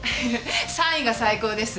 ３位が最高です。